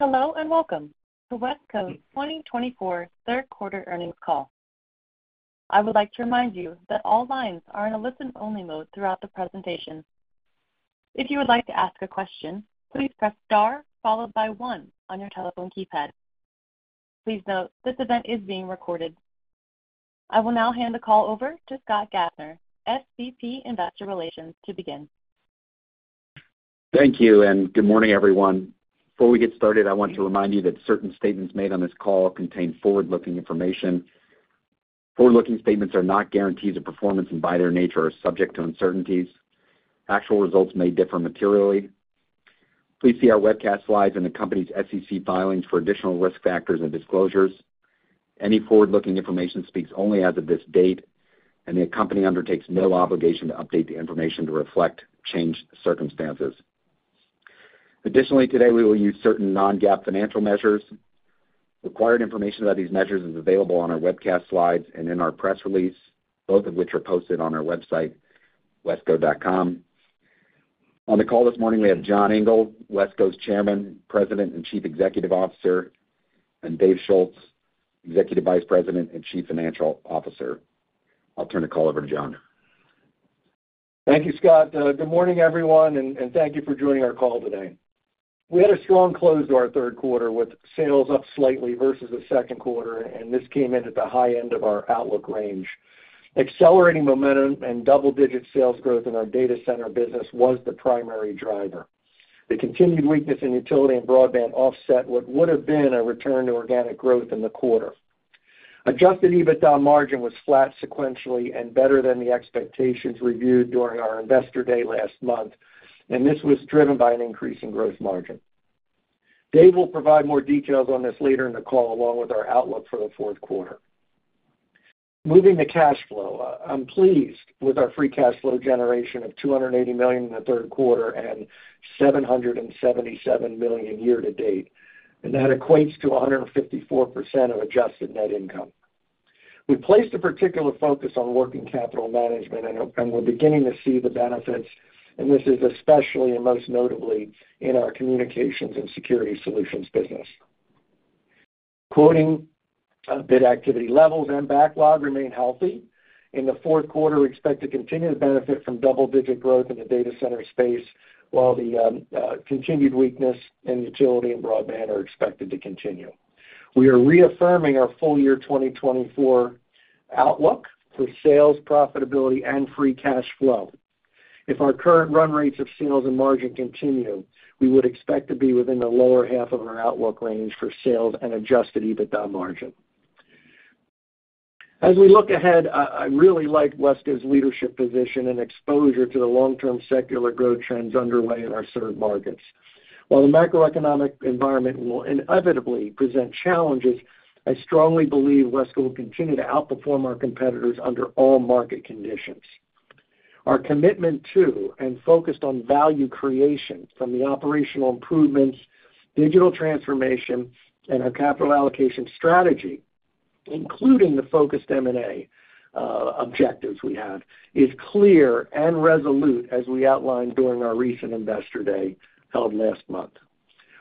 Hello and welcome to Wesco's 2024 third quarter earnings call. I would like to remind you that all lines are in a listen-only mode throughout the presentation. If you would like to ask a question, please press star followed by one on your telephone keypad. Please note this event is being recorded. I will now hand the call over to Scott Gaffner, SVP Investor Relations, to begin. Thank you and good morning, everyone. Before we get started, I want to remind you that certain statements made on this call contain forward-looking information. Forward-looking statements are not guarantees of performance and, by their nature, are subject to uncertainties. Actual results may differ materially. Please see our webcast slides and the company's SEC filings for additional risk factors and disclosures. Any forward-looking information speaks only as of this date, and the company undertakes no obligation to update the information to reflect changed circumstances. Additionally, today we will use certain non-GAAP financial measures. Required information about these measures is available on our webcast slides and in our press release, both of which are posted on our website, wesco.com. On the call this morning, we have John Engel, Wesco's Chairman, President and Chief Executive Officer, and Dave Schulz, Executive Vice President and Chief Financial Officer. I'll turn the call over to John. Thank you, Scott. Good morning, everyone, and thank you for joining our call today. We had a strong close to our third quarter with sales up slightly versus the second quarter, and this came in at the high end of our outlook range. Accelerating momentum and double-digit sales growth in our data center business was the primary driver. The continued weakness in Utility and Broadband offset what would have been a return to organic growth in the quarter. Adjusted EBITDA margin was flat sequentially and better than the expectations reviewed during our Investor Day last month, and this was driven by an increase in gross margin. Dave will provide more details on this later in the call, along with our outlook for the fourth quarter. Moving to cash flow, I'm pleased with our free cash flow generation of $280 million in the third quarter and $777 million year to date, and that equates to 154% of Adjusted Net Income. We placed a particular focus on working capital management, and we're beginning to see the benefits, and this is especially and most notably in our Communications and Security Solutions business. Quoting bid activity levels and backlog remain healthy. In the fourth quarter, we expect to continue to benefit from double-digit growth in the data center space, while the continued weakness in Utility and Broadband are expected to continue. We are reaffirming our full year 2024 outlook for sales, profitability, and free cash flow. If our current run rates of sales and margin continue, we would expect to be within the lower half of our outlook range for sales and Adjusted EBITDA margin. As we look ahead, I really like Wesco's leadership position and exposure to the long-term secular growth trends underway in our three markets. While the macroeconomic environment will inevitably present challenges, I strongly believe Wesco will continue to outperform our competitors under all market conditions. Our commitment to and focused on value creation from the operational improvements, digital transformation, and our capital allocation strategy, including the focused M&A objectives we have, is clear and resolute, as we outlined during our recent Investor Day held last month.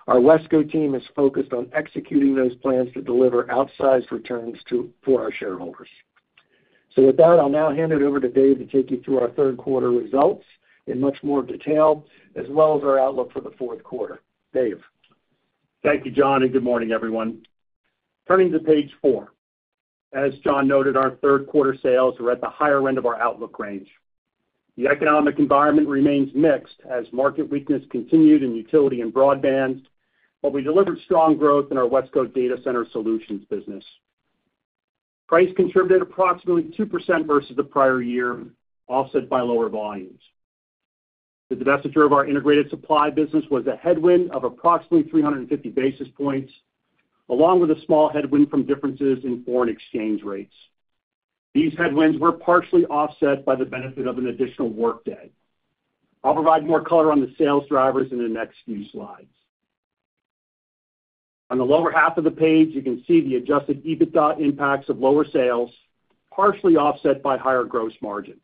Our Wesco team is focused on executing those plans to deliver outsized returns for our shareholders. So with that, I'll now hand it over to Dave to take you through our third quarter results in much more detail, as well as our outlook for the fourth quarter. Dave. Thank you, John, and good morning, everyone. Turning to page four, as John noted, our third quarter sales were at the higher end of our outlook range. The economic environment remains mixed as market weakness continued in Utility and Broadband, but we delivered strong growth in our Wesco Data Center Solutions business. Price contributed approximately 2% versus the prior year, offset by lower volumes. The divestiture of our Integrated Supply business was a headwind of approximately 350 basis points, along with a small headwind from differences in foreign exchange rates. These headwinds were partially offset by the benefit of an additional workday. I'll provide more color on the sales drivers in the next few slides. On the lower half of the page, you can see the Adjusted EBITDA impacts of lower sales, partially offset by higher gross margin.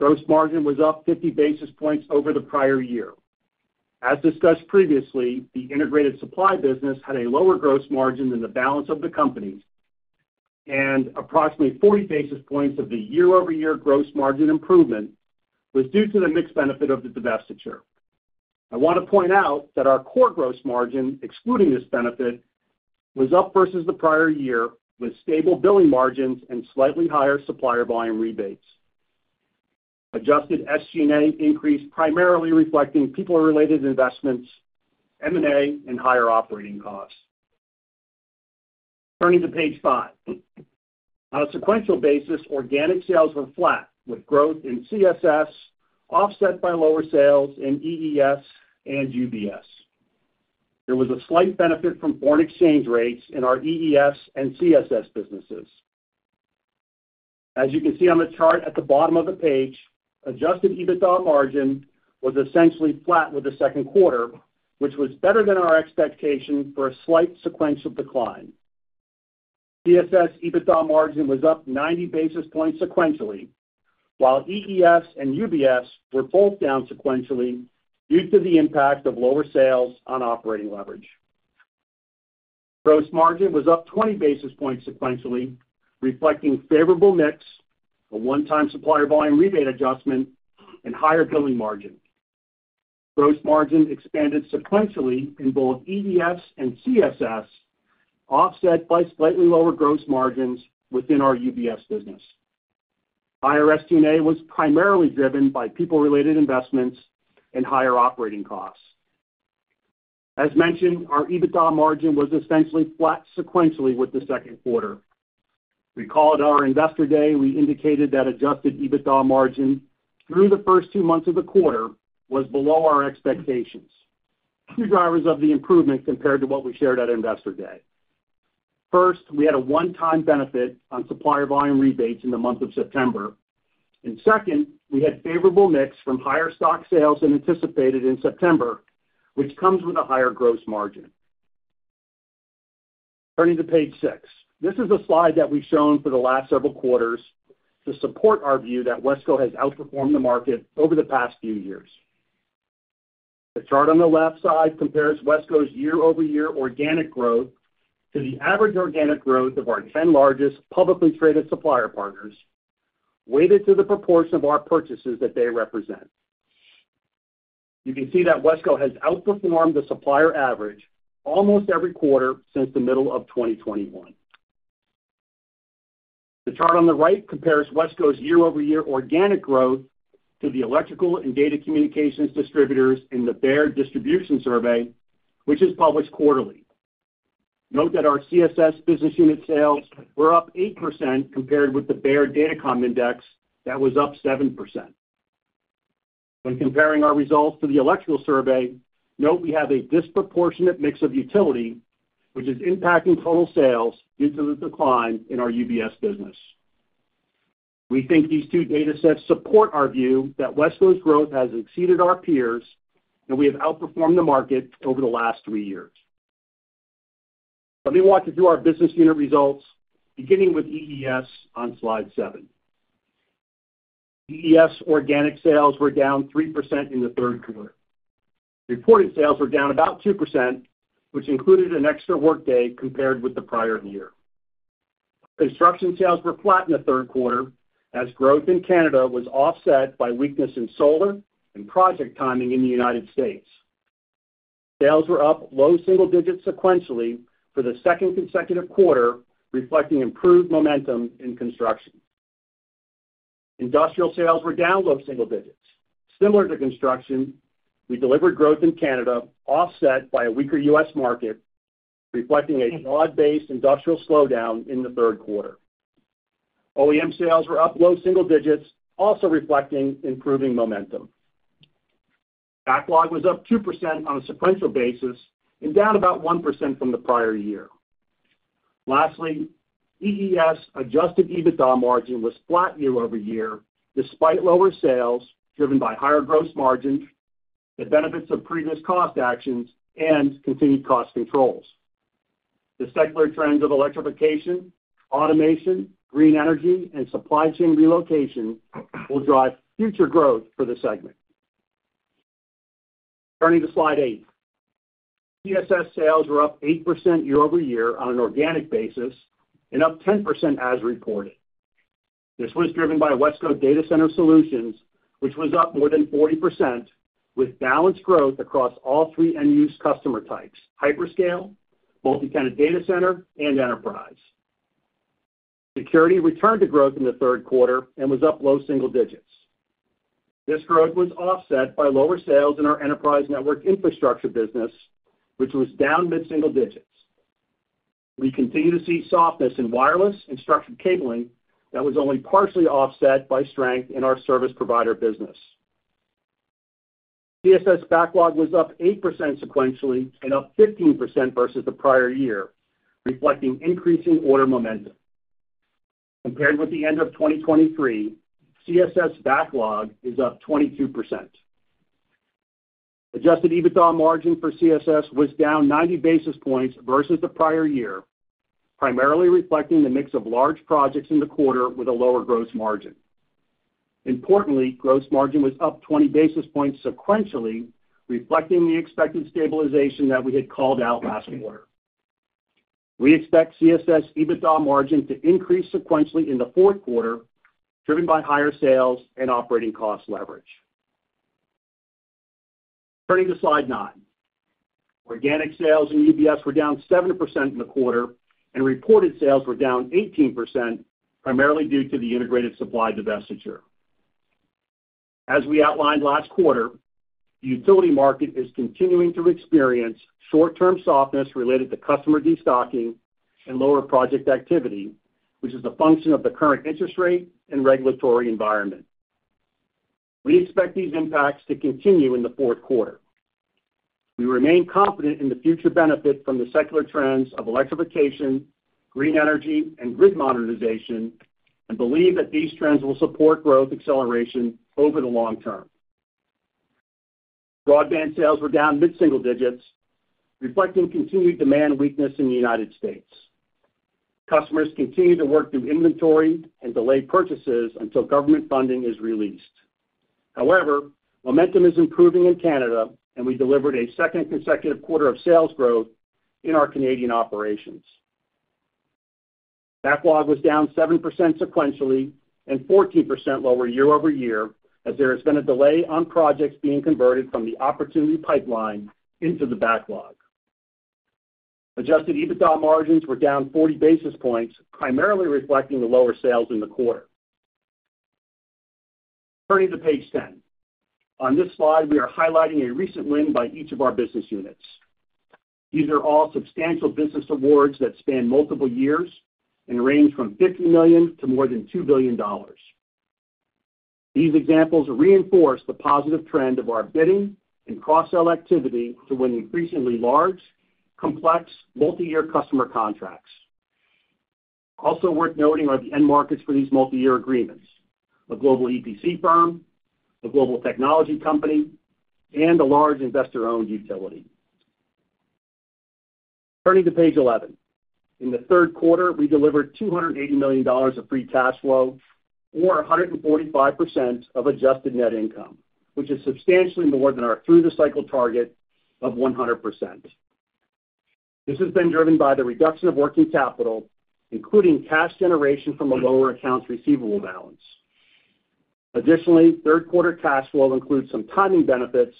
Gross margin was up 50 basis points over the prior year. As discussed previously, the Integrated Supply business had a lower gross margin than the balance of the companies, and approximately 40 basis points of the year-over-year gross margin improvement was due to the mix benefit of the divestiture. I want to point out that our core gross margin, excluding this benefit, was up versus the prior year with stable billing margins and slightly higher supplier volume rebates. Adjusted SG&A increased, primarily reflecting people-related investments, M&A, and higher operating costs. Turning to page five, on a sequential basis, organic sales were flat, with growth in CSS offset by lower sales in EES and UBS. There was a slight benefit from foreign exchange rates in our EES and CSS businesses. As you can see on the chart at the bottom of the page, Adjusted EBITDA margin was essentially flat with the second quarter, which was better than our expectation for a slight sequential decline. CSS EBITDA margin was up 90 basis points sequentially, while EES and UBS were both down sequentially due to the impact of lower sales on operating leverage. Gross margin was up 20 basis points sequentially, reflecting favorable mix, a one-time supplier volume rebate adjustment, and higher billing margin. Gross margin expanded sequentially in both EES and CSS, offset by slightly lower gross margins within our UBS business. Higher SG&A was primarily driven by people-related investments and higher operating costs. As mentioned, our EBITDA margin was essentially flat sequentially with the second quarter. We called our Investor Day. We indicated that Adjusted EBITDA margin through the first two months of the quarter was below our expectations. Two drivers of the improvement compared to what we shared at Investor Day. First, we had a one-time benefit on supplier volume rebates in the month of September. And second, we had favorable mix from higher stock sales than anticipated in September, which comes with a higher gross margin. Turning to page six, this is a slide that we've shown for the last several quarters to support our view that Wesco has outperformed the market over the past few years. The chart on the left side compares Wesco's year-over-year organic growth to the average organic growth of our 10 largest publicly traded supplier partners, weighted to the proportion of our purchases that they represent. You can see that Wesco has outperformed the supplier average almost every quarter since the middle of 2021. The chart on the right compares Wesco's year-over-year organic growth to the electrical and data communications distributors in the Baird Distribution Survey, which is published quarterly. Note that our CSS business unit sales were up 8% compared with the Baird Datacom Index that was up 7%. When comparing our results to the electrical survey, note we have a disproportionate mix of utility, which is impacting total sales due to the decline in our UBS business. We think these two data sets support our view that Wesco's growth has exceeded our peers, and we have outperformed the market over the last three years. Let me walk you through our business unit results, beginning with EES on slide seven. EES organic sales were down 3% in the third quarter. Reported sales were down about 2%, which included an extra workday compared with the prior year. Construction sales were flat in the third quarter as growth in Canada was offset by weakness in solar and project timing in the United States. Sales were up low single digits sequentially for the second consecutive quarter, reflecting improved momentum in construction. Industrial sales were down low single digits. Similar to construction, we delivered growth in Canada, offset by a weaker U.S. market, reflecting a broad-based industrial slowdown in the third quarter. OEM sales were up low single digits, also reflecting improving momentum. Backlog was up 2% on a sequential basis and down about 1% from the prior year. Lastly, EES Adjusted EBITDA margin was flat year-over-year despite lower sales driven by higher gross margins, the benefits of previous cost actions, and continued cost controls. The secular trends of electrification, automation, green energy, and supply chain relocation will drive future growth for the segment. Turning to slide eight, CSS sales were up 8% year-over-year on an organic basis and up 10% as reported. This was driven by Wesco Data Center Solutions, which was up more than 40% with balanced growth across all three end-use customer types: hyperscale, multi-tenant data center, and enterprise. Security returned to growth in the third quarter and was up low single digits. This growth was offset by lower sales in our Enterprise Network Infrastructure business, which was down mid-single digits. We continue to see softness in wireless and structured cabling that was only partially offset by strength in our service provider business. CSS backlog was up 8% sequentially and up 15% versus the prior year, reflecting increasing order momentum. Compared with the end of 2023, CSS backlog is up 22%. Adjusted EBITDA margin for CSS was down 90 basis points versus the prior year, primarily reflecting the mix of large projects in the quarter with a lower gross margin. Importantly, gross margin was up 20 basis points sequentially, reflecting the expected stabilization that we had called out last quarter. We expect CSS EBITDA margin to increase sequentially in the fourth quarter, driven by higher sales and operating cost leverage. Turning to slide nine, organic sales in UBS were down 7% in the quarter, and reported sales were down 18%, primarily due to the Integrated Supply divestiture. As we outlined last quarter, the utility market is continuing to experience short-term softness related to customer destocking and lower project activity, which is a function of the current interest rate and regulatory environment. We expect these impacts to continue in the fourth quarter. We remain confident in the future benefit from the secular trends of electrification, green energy, and grid modernization, and believe that these trends will support growth acceleration over the long term. Broadband sales were down mid-single digits, reflecting continued demand weakness in the United States. Customers continue to work through inventory and delay purchases until government funding is released. However, momentum is improving in Canada, and we delivered a second consecutive quarter of sales growth in our Canadian operations. Backlog was down 7% sequentially and 14% lower year-over-year as there has been a delay on projects being converted from the opportunity pipeline into the backlog. Adjusted EBITDA margins were down 40 basis points, primarily reflecting the lower sales in the quarter. Turning to page 10, on this slide, we are highlighting a recent win by each of our business units. These are all substantial business awards that span multiple years and range from $50 million to more than $2 billion. These examples reinforce the positive trend of our bidding and cross-sell activity to win increasingly large, complex, multi-year customer contracts. Also worth noting are the end markets for these multi-year agreements: a global EPC firm, a global technology company, and a large investor-owned utility. Turning to page 11, in the third quarter, we delivered $280 million of free cash flow, or 145% of Adjusted Net Income, which is substantially more than our through-the-cycle target of 100%. This has been driven by the reduction of working capital, including cash generation from a lower accounts receivable balance. Additionally, third quarter cash flow includes some timing benefits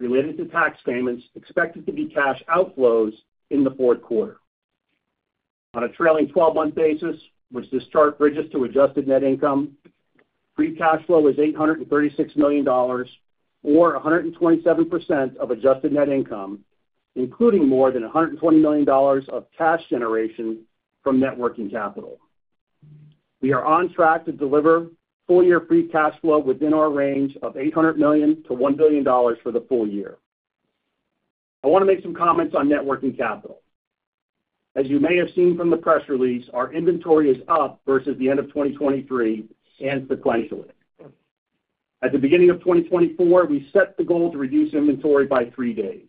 related to tax payments expected to be cash outflows in the fourth quarter. On a trailing 12-month basis, which this chart bridges to Adjusted Net Income, free cash flow is $836 million, or 127% of Adjusted Net Income, including more than $120 million of cash generation from net working capital. We are on track to deliver full-year free cash flow within our range of $800 million to $1 billion for the full year. I want to make some comments on net working capital. As you may have seen from the press release, our inventory is up versus the end of 2023 and sequentially. At the beginning of 2024, we set the goal to reduce inventory by three days.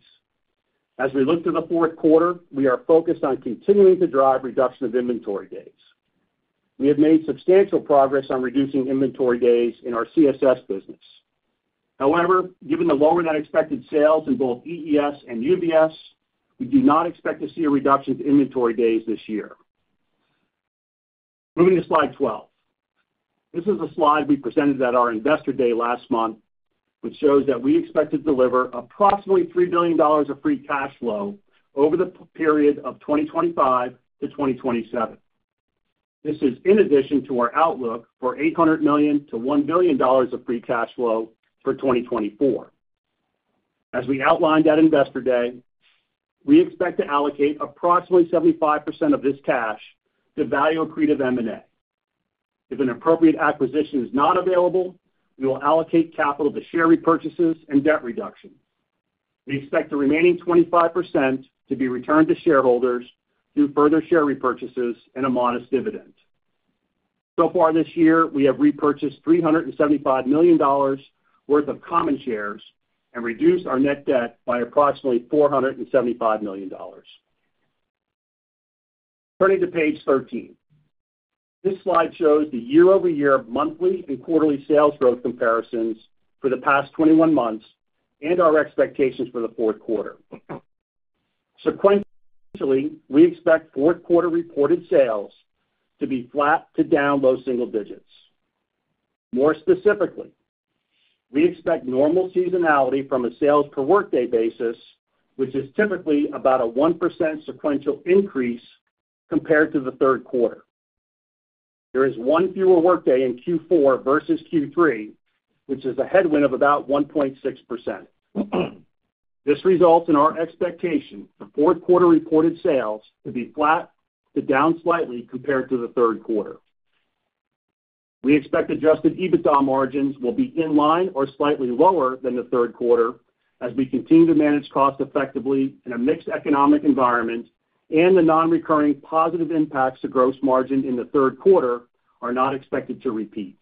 As we look to the fourth quarter, we are focused on continuing to drive reduction of inventory days. We have made substantial progress on reducing inventory days in our CSS business. However, given the lower than expected sales in both EES and UBS, we do not expect to see a reduction to inventory days this year. Moving to slide 12, this is a slide we presented at our Investor Day last month, which shows that we expect to deliver approximately $3 billion of free cash flow over the period of 2025 to 2027. This is in addition to our outlook for $800 million-$1 billion of free cash flow for 2024. As we outlined at Investor Day, we expect to allocate approximately 75% of this cash to value accretive M&A. If an appropriate acquisition is not available, we will allocate capital to share repurchases and debt reduction. We expect the remaining 25% to be returned to shareholders through further share repurchases and a modest dividend. So far this year, we have repurchased $375 million worth of common shares and reduced our net debt by approximately $475 million. Turning to page 13, this slide shows the year-over-year monthly and quarterly sales growth comparisons for the past 21 months and our expectations for the fourth quarter. Sequentially, we expect fourth quarter reported sales to be flat to down low single digits. More specifically, we expect normal seasonality from a sales per workday basis, which is typically about a 1% sequential increase compared to the third quarter. There is one fewer workday in Q4 versus Q3, which is a headwind of about 1.6%. This results in our expectation for fourth quarter reported sales to be flat to down slightly compared to the third quarter. We expect Adjusted EBITDA margins will be in line or slightly lower than the third quarter as we continue to manage costs effectively in a mixed economic environment, and the non-recurring positive impacts to gross margin in the third quarter are not expected to repeat.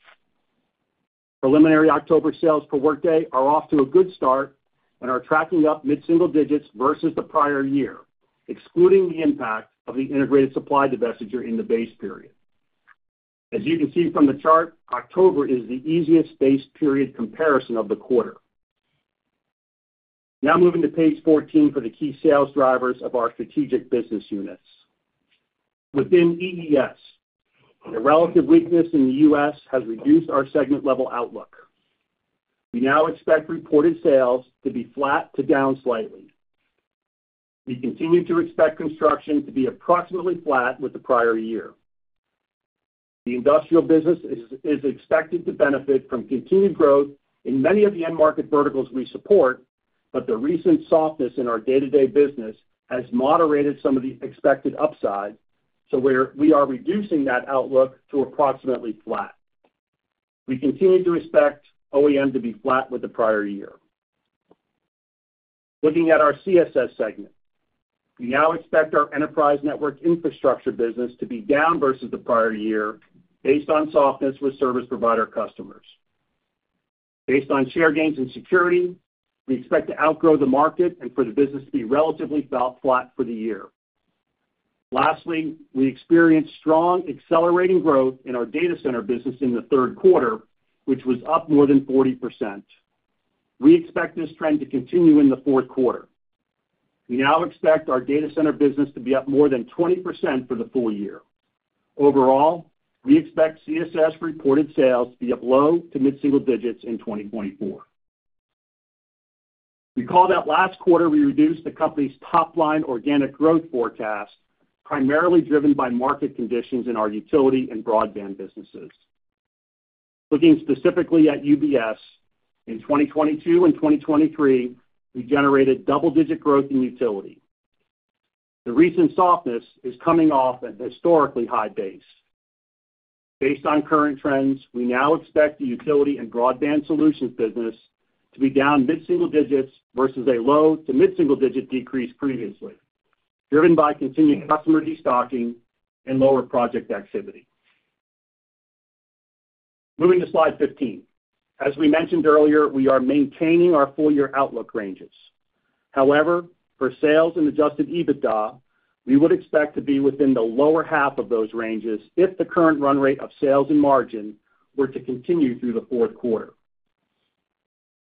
Preliminary October sales per workday are off to a good start and are tracking up mid-single digits versus the prior year, excluding the impact of the Integrated Supply divestiture in the base period. As you can see from the chart, October is the easiest base period comparison of the quarter. Now moving to page 14 for the key sales drivers of our strategic business units. Within EES, the relative weakness in the U.S. has reduced our segment-level outlook. We now expect reported sales to be flat to down slightly. We continue to expect construction to be approximately flat with the prior year. The industrial business is expected to benefit from continued growth in many of the end market verticals we support, but the recent softness in our day-to-day business has moderated some of the expected upside, so we are reducing that outlook to approximately flat. We continue to expect OEM to be flat with the prior year. Looking at our CSS segment, we now expect our Enterprise Network Infrastructure business to be down versus the prior year based on softness with service provider customers. Based on share gains in Security, we expect to outgrow the market and for the business to be relatively flat for the year. Lastly, we experienced strong accelerating growth in our data center business in the third quarter, which was up more than 40%. We expect this trend to continue in the fourth quarter. We now expect our data center business to be up more than 20% for the full year. Overall, we expect CSS reported sales to be low to mid-single digits in 2024. Recall that last quarter we reduced the company's top-line organic growth forecast, primarily driven by market conditions in our Utility and Broadband businesses. Looking specifically at UBS, in 2022 and 2023, we generated double-digit growth in utility. The recent softness is coming off a historically high base. Based on current trends, we now expect the Utility and Broadband Solutions business to be down mid-single digits versus a low to mid-single digit decrease previously, driven by continued customer destocking and lower project activity. Moving to slide 15, as we mentioned earlier, we are maintaining our full-year outlook ranges. However, for sales and Adjusted EBITDA, we would expect to be within the lower half of those ranges if the current run rate of sales and margin were to continue through the fourth quarter.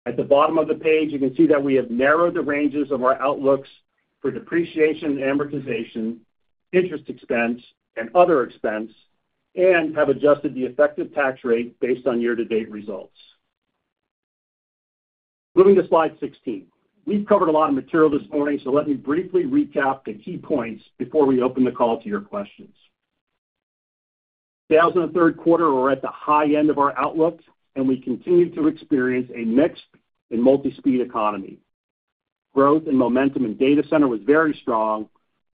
At the bottom of the page, you can see that we have narrowed the ranges of our outlooks for depreciation and amortization, interest expense, and other expense, and have adjusted the effective tax rate based on year-to-date results. Moving to slide 16, we've covered a lot of material this morning, so let me briefly recap the key points before we open the call to your questions. Sales in the third quarter are at the high end of our outlook, and we continue to experience a mixed and multi-speed economy. Growth and momentum in data center was very strong,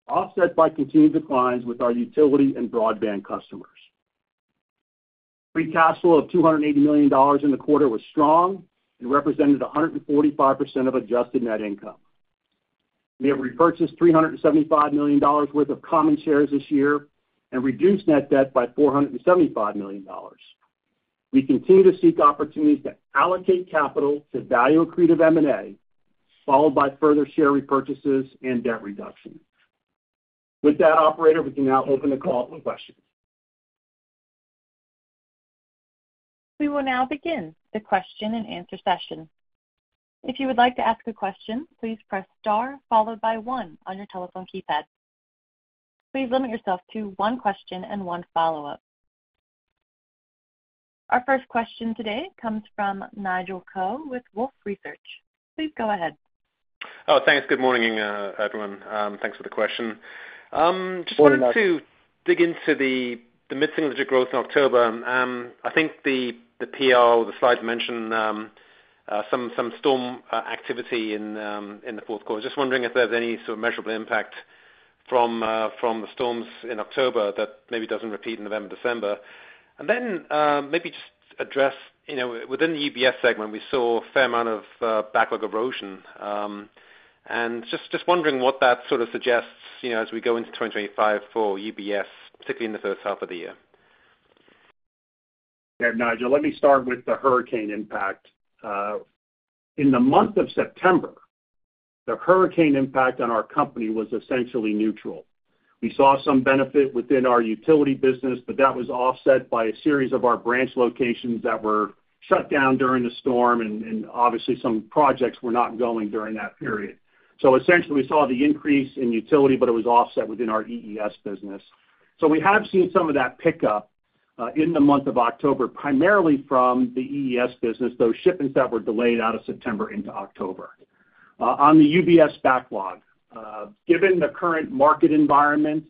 offset by continued declines with our Utility and Broadband customers. Free cash flow of $280 million in the quarter was strong and represented 145% of Adjusted Net Income. We have repurchased $375 million worth of common shares this year and reduced net debt by $475 million. We continue to seek opportunities to allocate capital to value accretive M&A, followed by further share repurchases and debt reduction. With that, operator, we can now open the call for questions. We will now begin the question and answer session. If you would like to ask a question, please press star followed by one on your telephone keypad. Please limit yourself to one question and one follow-up. Our first question today comes from Nigel Coe with Wolfe Research. Please go ahead. Oh, thanks. Good morning, everyone. Thanks for the question. Just wanted to dig into the mid-single digit growth in October. I think the PR, the slides mentioned some storm activity in the fourth quarter. Just wondering if there's any sort of measurable impact from the storms in October that maybe doesn't repeat in November, December. And then maybe just address, within the UBS segment, we saw a fair amount of backlog erosion. And just wondering what that sort of suggests as we go into 2025 for UBS, particularly in the first half of the year. Okay, Nigel, let me start with the hurricane impact. In the month of September, the hurricane impact on our company was essentially neutral. We saw some benefit within our utility business, but that was offset by a series of our branch locations that were shut down during the storm, and obviously some projects were not going during that period. So essentially we saw the increase in utility, but it was offset within our EES business. So we have seen some of that pickup in the month of October, primarily from the EES business, those shipments that were delayed out of September into October. On the UBS backlog, given the current market environment,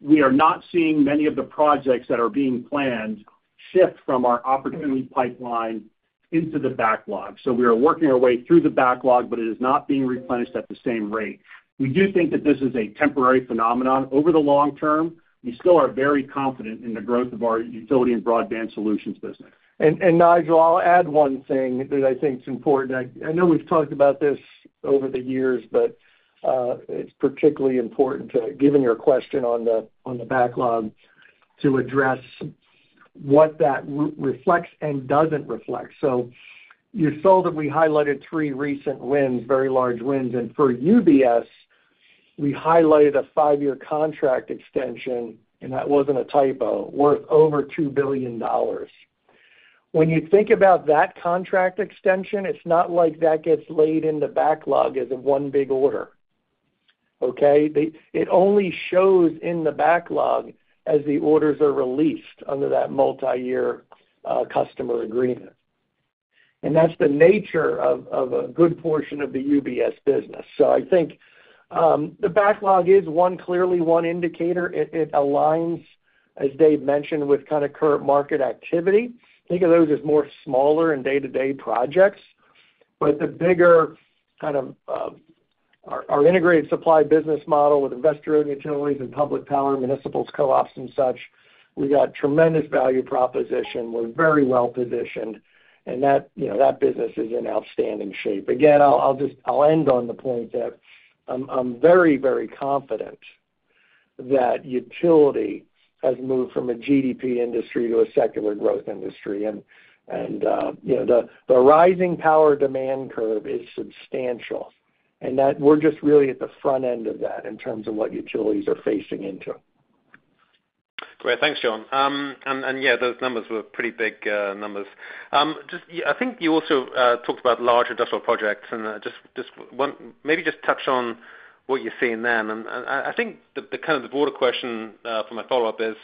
we are not seeing many of the projects that are being planned shift from our opportunity pipeline into the backlog. So we are working our way through the backlog, but it is not being replenished at the same rate. We do think that this is a temporary phenomenon. Over the long term, we still are very confident in the growth of our Utility and Broadband Solutions business. And Nigel, I'll add one thing that I think is important. I know we've talked about this over the years, but it's particularly important, given your question on the backlog, to address what that reflects and doesn't reflect. So you saw that we highlighted three recent wins, very large wins. And for UBS, we highlighted a five-year contract extension, and that wasn't a typo, worth over $2 billion. When you think about that contract extension, it's not like that gets laid in the backlog as a one big order. Okay? It only shows in the backlog as the orders are released under that multi-year customer agreement. And that's the nature of a good portion of the UBS business. So I think the backlog is, one, clearly one indicator. It aligns, as Dave mentioned, with kind of current market activity. Think of those as more smaller and day-to-day projects. But the bigger kind of our Integrated Supply business model with investor-owned utilities and public power, municipals, co-ops, and such, we got tremendous value proposition. We're very well positioned, and that business is in outstanding shape. Again, I'll end on the point that I'm very, very confident that utility has moved from a GDP industry to a secular growth industry, and the rising power demand curve is substantial, and that we're just really at the front end of that in terms of what utilities are facing into. Great. Thanks, John. And yeah, those numbers were pretty big numbers. I think you also talked about large industrial projects, and just maybe touch on what you're seeing then. And I think the kind of broader question for my follow-up is,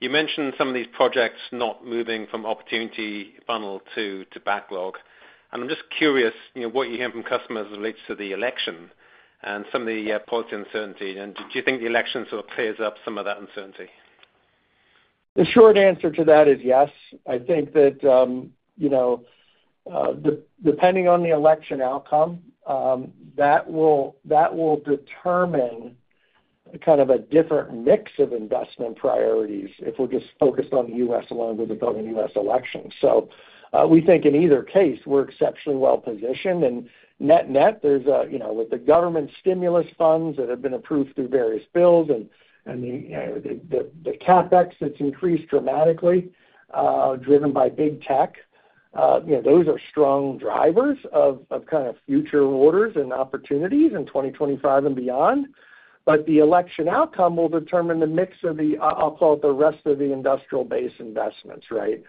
you mentioned some of these projects not moving from opportunity funnel to backlog. And I'm just curious what you hear from customers as it relates to the election and some of the policy uncertainty. And do you think the election sort of plays up some of that uncertainty? The short answer to that is yes. I think that depending on the election outcome, that will determine kind of a different mix of investment priorities if we're just focused on the U.S. along with the building U.S. election. So we think in either case, we're exceptionally well positioned. And net-net, there's with the government stimulus funds that have been approved through various bills and the CapEx that's increased dramatically, driven by big tech, those are strong drivers of kind of future orders and opportunities in 2025 and beyond. But the election outcome will determine the mix of the, I'll call it the rest of the industrial base investments, right?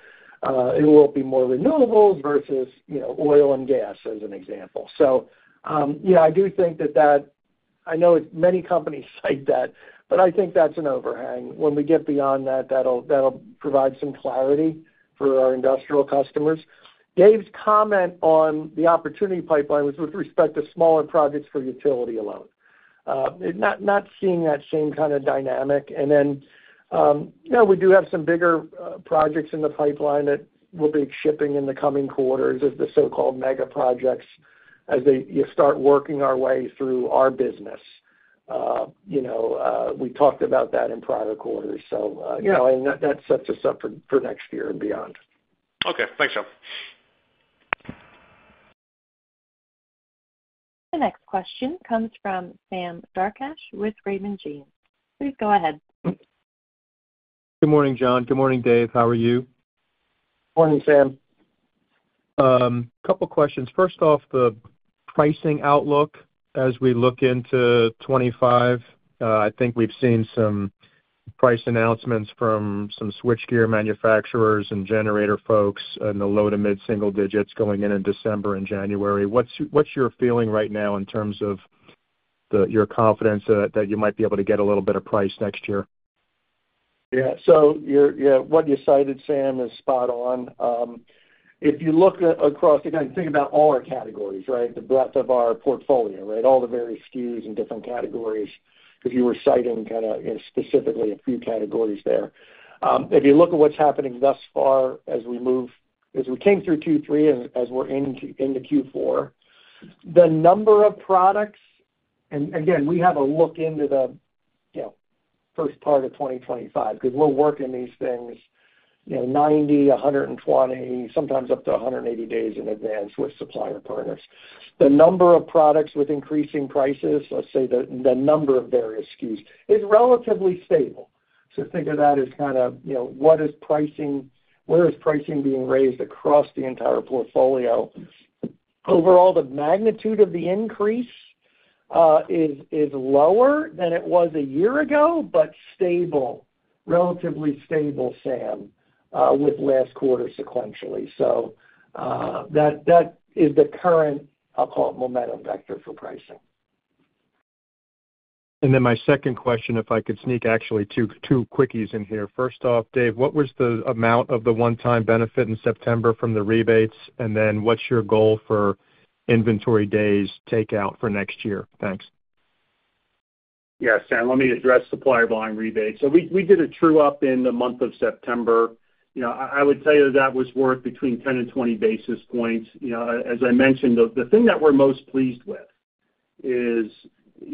It will be more renewables versus oil and gas as an example. So yeah, I do think that I know many companies cite that, but I think that's an overhang. When we get beyond that, that'll provide some clarity for our industrial customers. Dave's comment on the opportunity pipeline was with respect to smaller projects for utility alone. Not seeing that same kind of dynamic. And then we do have some bigger projects in the pipeline that will be shipping in the coming quarters as the so-called megaprojects as you start working our way through our business. We talked about that in prior quarters. So that sets us up for next year and beyond. Okay. Thanks, John. The next question comes from Sam Darkatsh with Raymond James. Please go ahead. Good morning, John. Good morning, Dave. How are you? Morning, Sam. Couple of questions. First off, the pricing outlook as we look into 2025, I think we've seen some price announcements from some switchgear manufacturers and generator folks in the low to mid-single digits going in December and January. What's your feeling right now in terms of your confidence that you might be able to get a little bit of price next year? Yeah. So what you cited, Sam, is spot on. If you look across, again, think about all our categories, right? The breadth of our portfolio, right? All the various SKUs and different categories. If you were citing kind of specifically a few categories there. If you look at what's happening thus far as we move, as we came through Q3, as we're into Q4, the number of products, and again, we have a look into the first part of 2025 because we're working these things 90, 120, sometimes up to 180 days in advance with supplier partners. The number of products with increasing prices, let's say the number of various SKUs, is relatively stable. So think of that as kind of what is pricing, where is pricing being raised across the entire portfolio. Overall, the magnitude of the increase is lower than it was a year ago, but stable, relatively stable, Sam, with last quarter sequentially. So that is the current, I'll call it momentum vector for pricing. And then my second question, if I could sneak actually two quickies in here. First off, Dave, what was the amount of the one-time benefit in September from the rebates? And then what's your goal for inventory days takeout for next year? Thanks. Yeah. Sam, let me address supplier volume rebates. So we did a true-up in the month of September. I would tell you that that was worth between 10 and 20 basis points. As I mentioned, the thing that we're most pleased with is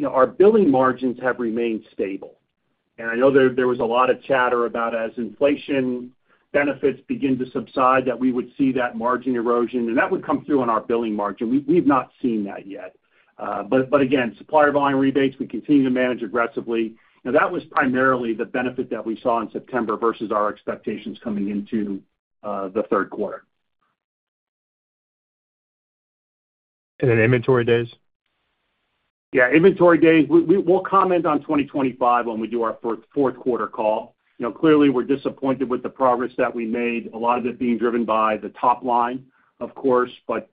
our billing margins have remained stable. I know there was a lot of chatter about, as inflation benefits begin to subside, that we would see that margin erosion, and that would come through on our billing margin. We've not seen that yet. But again, supplier volume rebates, we continue to manage aggressively. That was primarily the benefit that we saw in September versus our expectations coming into the third quarter. And then inventory days? Yeah. Inventory days, we'll comment on 2025 when we do our fourth quarter call. Clearly, we're disappointed with the progress that we made, a lot of it being driven by the top line, of course. But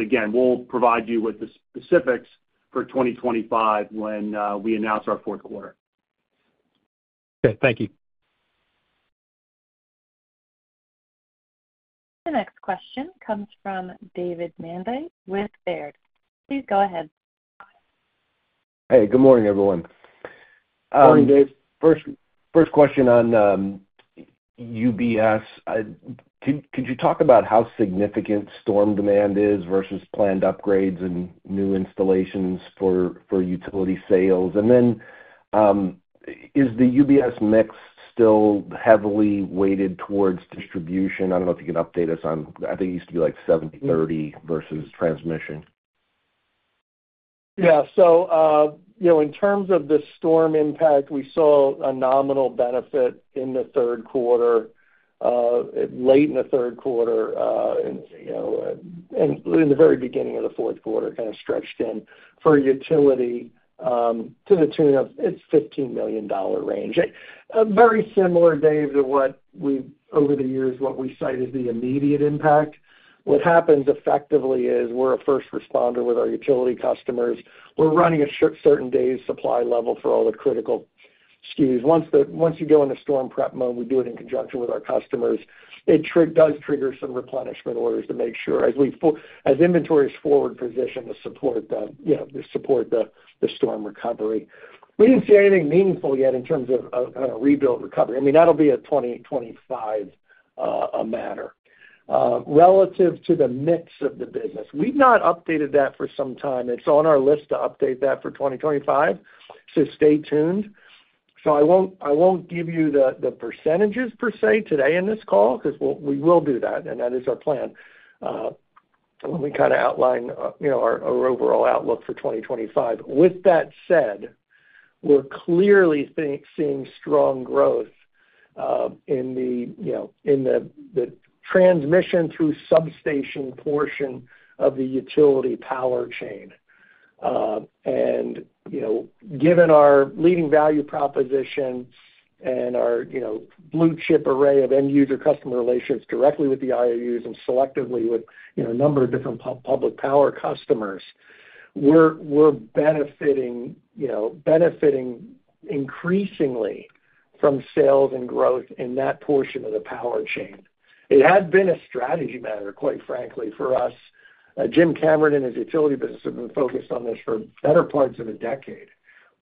again, we'll provide you with the specifics for 2025 when we announce our fourth quarter. Okay. Thank you. The next question comes from David Manthey with Baird. Please go ahead. Hey. Good morning, everyone. Morning, Dave. First question on UBS. Could you talk about how significant storm demand is versus planned upgrades and new installations for utility sales? And then is the UBS mix still heavily weighted towards distribution? I don't know if you can update us on, I think it used to be like 70/30 versus transmission. Yeah. So in terms of the storm impact, we saw a nominal benefit in the third quarter, late in the third quarter, and in the very beginning of the fourth quarter kind of stretched in for utility to the tune of in the $15 million range. Very similar, Dave, to what we've over the years, what we cite as the immediate impact. What happens effectively is we're a first responder with our utility customers. We're running a certain day's supply level for all the critical SKUs. Once you go into storm prep mode, we do it in conjunction with our customers. It does trigger some replenishment orders to make sure, as inventory is forward positioned to support the storm recovery. We didn't see anything meaningful yet in terms of kind of rebuild recovery. I mean, that'll be a 2025 matter. Relative to the mix of the business, we've not updated that for some time. It's on our list to update that for 2025. So stay tuned. So I won't give you the percentages per se today in this call because we will do that, and that is our plan when we kind of outline our overall outlook for 2025. With that said, we're clearly seeing strong growth in the transmission through substation portion of the utility power chain. Given our leading value proposition and our blue chip array of end user customer relations directly with the IOUs and selectively with a number of different public power customers, we're benefiting increasingly from sales and growth in that portion of the power chain. It has been a strategy matter, quite frankly, for us. Jim Cameron and his utility business have been focused on this for better parts of a decade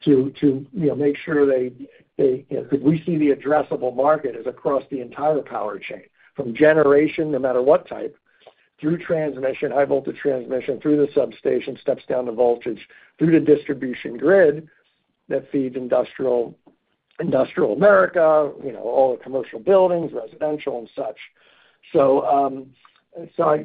to make sure because we see the addressable market is across the entire power chain, from generation, no matter what type, through transmission, high voltage transmission, through the substation, steps down to voltage, through the distribution grid that feeds industrial America, all the commercial buildings, residential, and such.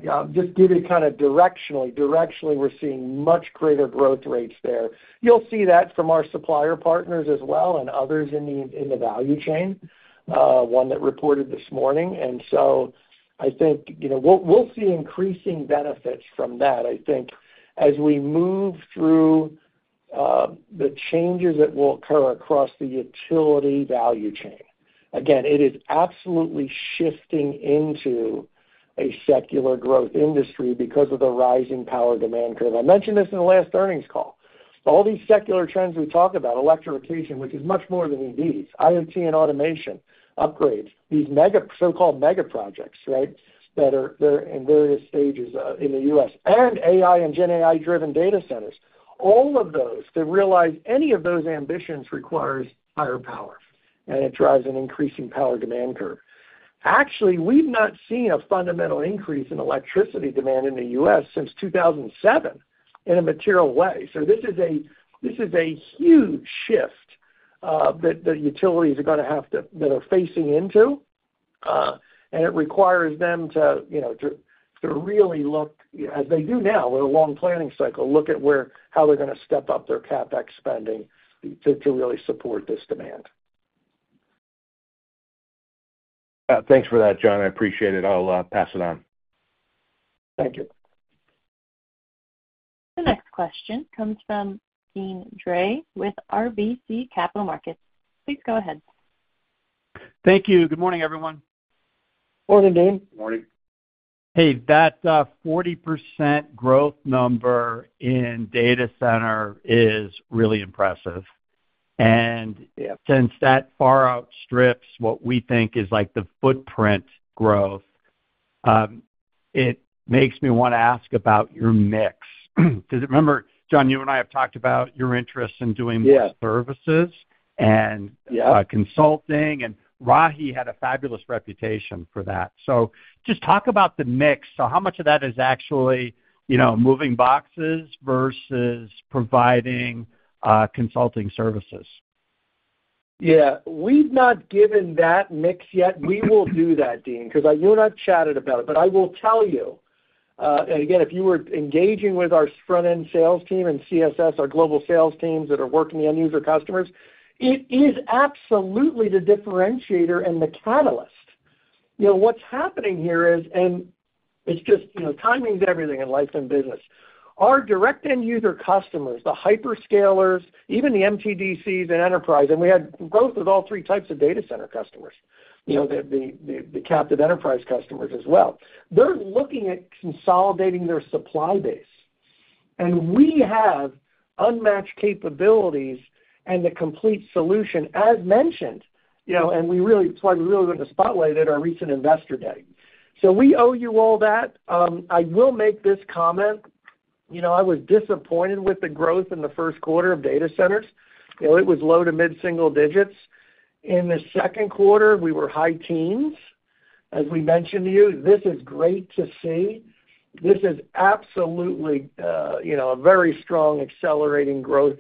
I'll just give you kind of directionally. Directionally, we're seeing much greater growth rates there. You'll see that from our supplier partners as well and others in the value chain, one that reported this morning, and so I think we'll see increasing benefits from that, I think, as we move through the changes that will occur across the utility value chain. Again, it is absolutely shifting into a secular growth industry because of the rising power demand curve. I mentioned this in the last earnings call. All these secular trends we talk about, electrification, which is much more than EVs, IoT and automation, upgrades, these so-called megaprojects, right, that are in various stages in the U.S., and AI and GenAI-driven data centers, all of those, to realize any of those ambitions requires higher power, and it drives an increasing power demand curve. Actually, we've not seen a fundamental increase in electricity demand in the U.S. since 2007 in a material way. So this is a huge shift that the utilities are going to have to that are facing into. And it requires them to really look, as they do now with a long planning cycle, look at how they're going to step up their CapEx spending to really support this demand. Thanks for that, John. I appreciate it. I'll pass it on. Thank you. The next question comes from Deane Dray with RBC Capital Markets. Please go ahead. Thank you. Good morning, everyone. Morning, Deane. Morning. Hey, that 40% growth number in data center is really impressive. And since that far outstrips what we think is the footprint growth, it makes me want to ask about your mix. Because remember, John, you and I have talked about your interest in doing more services and consulting, and Rahi had a fabulous reputation for that. So just talk about the mix. So how much of that is actually moving boxes versus providing consulting services? Yeah. We've not given that mix yet. We will do that, Dean, because you and I've chatted about it. But I will tell you, and again, if you were engaging with our front-end sales team and CSS, our global sales teams that are working the end user customers, it is absolutely the differentiator and the catalyst. What's happening here is, and it's just timing's everything in life and business. Our direct end user customers, the hyperscalers, even the MTDCs and enterprise, and we had growth with all three types of data center customers, the captive enterprise customers as well. They're looking at consolidating their supply base. And we have unmatched capabilities and the complete solution, as mentioned. And that's why we really wanted to spotlight it at our recent Investor Day. So we owe you all that. I will make this comment. I was disappointed with the growth in the first quarter of data centers. It was low to mid-single digits. In the second quarter, we were high teens. As we mentioned to you, this is great to see. This is absolutely a very strong accelerating growth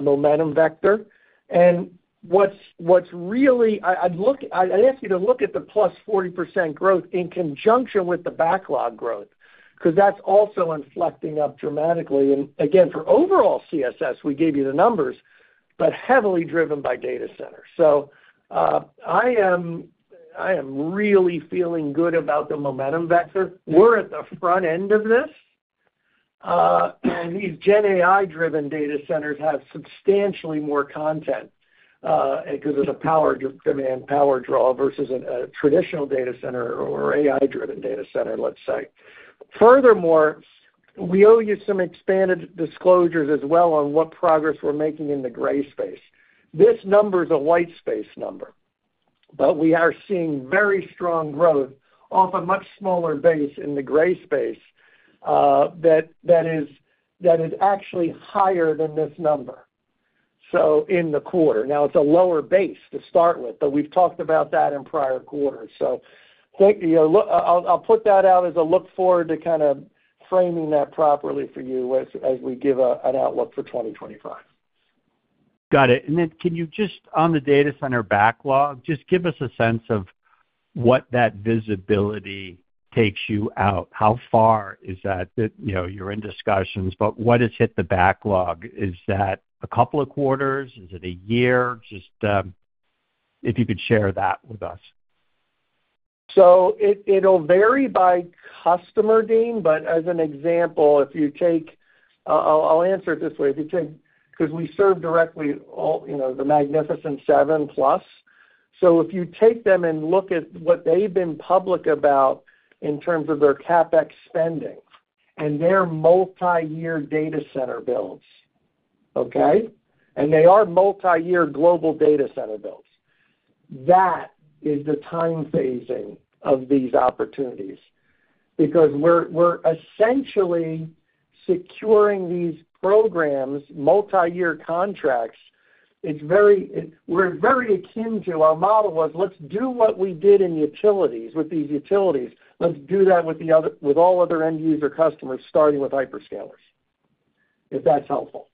momentum vector. And what's really, I'd ask you to look at the plus 40% growth in conjunction with the backlog growth because that's also inflecting up dramatically. And again, for overall CSS, we gave you the numbers, but heavily driven by data centers. So I am really feeling good about the momentum vector. We're at the front end of this. And these GenAI-driven data centers have substantially more content because of the power demand, power draw versus a traditional data center or AI-driven data center, let's say. Furthermore, we owe you some expanded disclosures as well on what progress we're making in the gray space. This number is a white space number. But we are seeing very strong growth off a much smaller base in the gray space that is actually higher than this number in the quarter. Now, it's a lower base to start with, but we've talked about that in prior quarters. So I'll put that out as a look forward to kind of framing that properly for you as we give an outlook for 2025. Got it. And then can you just, on the data center backlog, just give us a sense of what that visibility takes you out? How far is that? You're in discussions, but what has hit the backlog? Is that a couple of quarters? Is it a year? Just if you could share that with us. So it'll vary by customer, Deane. But as an example, if you take, I'll answer it this way. Because we serve directly the Magnificent Seven Plus. So if you take them and look at what they've been public about in terms of their CapEx spending and their multi-year data center builds, okay? And they are multi-year global data center builds. That is the time phasing of these opportunities because we're essentially securing these programs, multi-year contracts. We're very akin to our model was. Let's do what we did with these utilities. Let's do that with all other end user customers starting with hyperscalers, if that's helpful.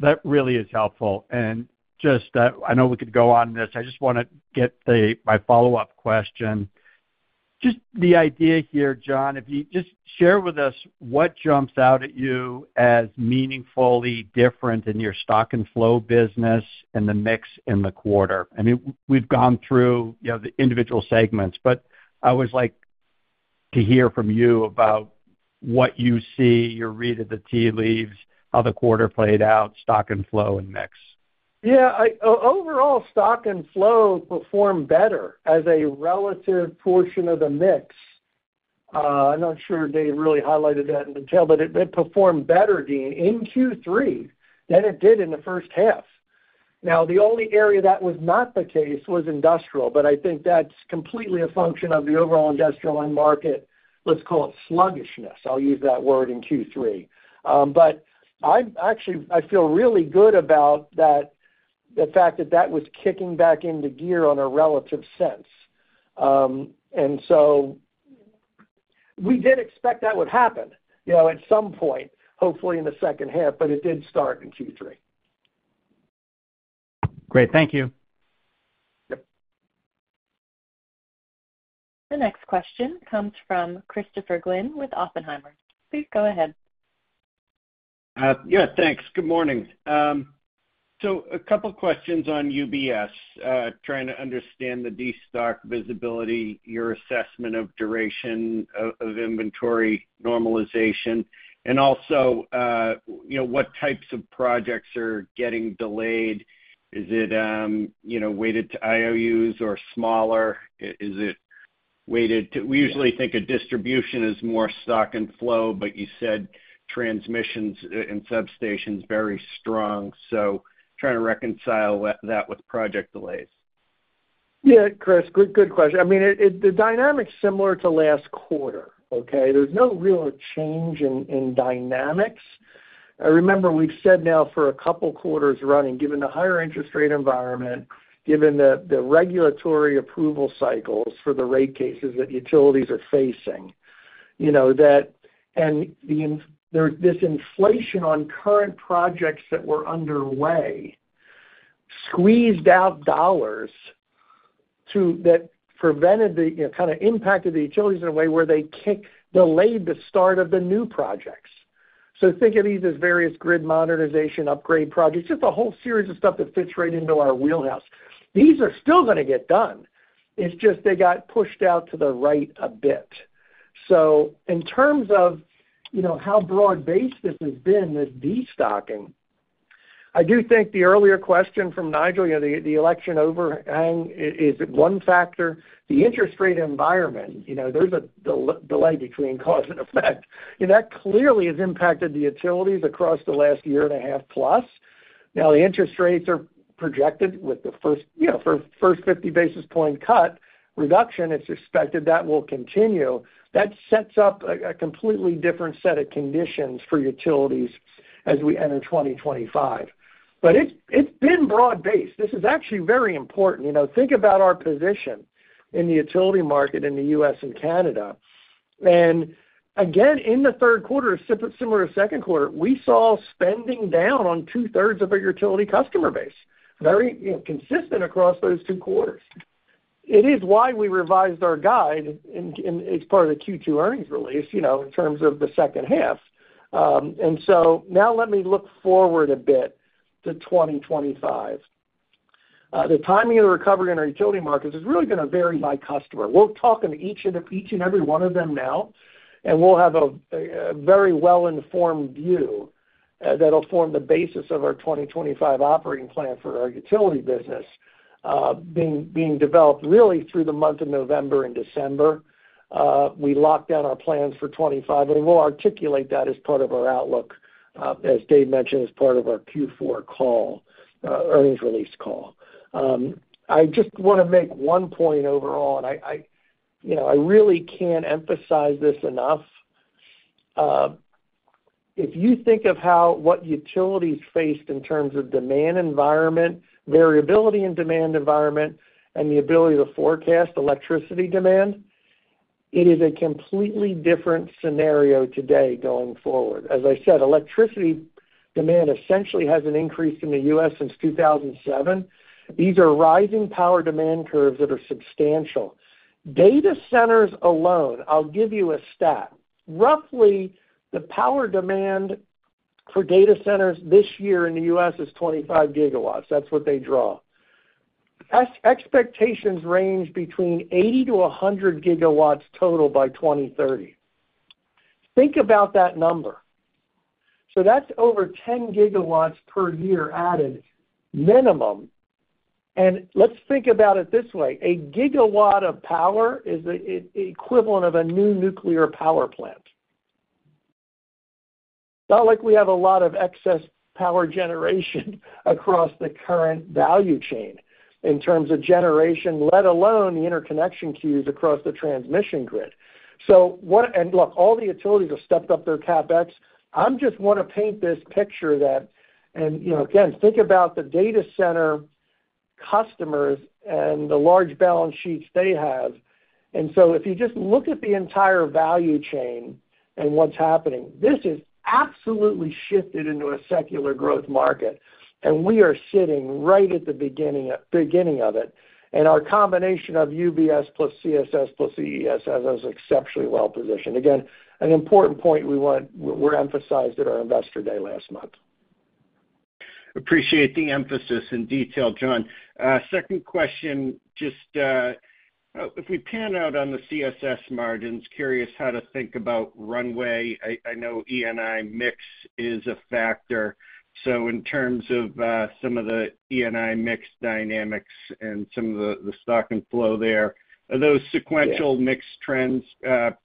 That really is helpful. And I know we could go on this. I just want to get my follow-up question. Just the idea here, John, if you just share with us what jumps out at you as meaningfully different in your stock and flow business and the mix in the quarter. I mean, we've gone through the individual segments, but I would like to hear from you about what you see, your read of the tea leaves, how the quarter played out, stock and flow and mix. Yeah. Overall, stock and flow performed better as a relative portion of the mix. I'm not sure Dave really highlighted that in detail, but it performed better, Deane, in Q3 than it did in the first half. Now, the only area that was not the case was industrial, but I think that's completely a function of the overall industrial and market, let's call it sluggishness. I'll use that word in Q3. But actually, I feel really good about the fact that that was kicking back into gear on a relative sense. And so we did expect that would happen at some point, hopefully in the second half, but it did start in Q3. Great. Thank you. Yep. The next question comes from Christopher Glynn with Oppenheimer. Please go ahead. Yeah. Thanks. Good morning. So a couple of questions on UBS, trying to understand the destocking visibility, your assessment of duration of inventory normalization, and also what types of projects are getting delayed. Is it weighted to IOUs or smaller? Is it weighted to we usually think of distribution as more stock and flow, but you said transmissions and substations very strong. So trying to reconcile that with project delays. Yeah, Chris, good question. I mean, the dynamics similar to last quarter, okay? There's no real change in dynamics. I remember we've said now for a couple of quarters running, given the higher interest rate environment, given the regulatory approval cycles for the rate cases that utilities are facing, and there's this inflation on current projects that were underway, squeezed out dollars that prevented the kind of impact the utilities in a way where they delayed the start of the new projects. So think of these as various grid modernization upgrade projects, just a whole series of stuff that fits right into our wheelhouse. These are still going to get done. It's just they got pushed out to the right a bit. So in terms of how broad-based this has been, this destocking, I do think the earlier question from Nigel, the election overhang, is it one factor? The interest rate environment, there's a delay between cause and effect. That clearly has impacted the utilities across the last year and a half plus. Now, the interest rates are projected with the first 50 basis points cut reduction. It's expected that will continue. That sets up a completely different set of conditions for utilities as we enter 2025. It's been broad-based. This is actually very important. Think about our position in the utility market in the U.S. and Canada. Again, in the third quarter, similar to second quarter, we saw spending down on two-thirds of our utility customer base, very consistent across those two quarters. It is why we revised our guide as part of the Q2 earnings release in terms of the second half. So now let me look forward a bit to 2025. The timing of the recovery in our utility markets is really going to vary by customer. We'll talk to each and every one of them now, and we'll have a very well-informed view that'll form the basis of our 2025 operating plan for our utility business being developed really through the month of November and December. We locked down our plans for 2025, and we'll articulate that as part of our outlook, as Dave mentioned, as part of our Q4 earnings release call. I just want to make one point overall, and I really can't emphasize this enough. If you think of what utilities faced in terms of demand environment, variability in demand environment, and the ability to forecast electricity demand, it is a completely different scenario today going forward. As I said, electricity demand essentially hasn't increased in the U.S. since 2007. These are rising power demand curves that are substantial. Data centers alone, I'll give you a stat. Roughly, the power demand for data centers this year in the U.S. is 25 gigawatts. That's what they draw. Expectations range between 80 to 100 gigawatts total by 2030. Think about that number, so that's over 10 gigawatts per year added minimum, and let's think about it this way, a gigawatt of power is the equivalent of a new nuclear power plant, not like we have a lot of excess power generation across the current value chain in terms of generation, let alone the interconnection queues across the transmission grid, and look, all the utilities have stepped up their CapEx. I just want to paint this picture that, and again, think about the data center customers and the large balance sheets they have, and so if you just look at the entire value chain and what's happening, this has absolutely shifted into a secular growth market. And we are sitting right at the beginning of it. And our combination of UBS plus CSS plus EES is exceptionally well positioned. Again, an important point we emphasized at our Investor Day last month. Appreciate the emphasis in detail, John. Second question, just if we pan out on the CSS margins, curious how to think about runway. I know ENI mix is a factor. So in terms of some of the ENI mix dynamics and some of the stock and flow there, are those sequential mix trends